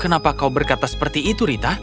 kenapa kau berkata seperti itu rita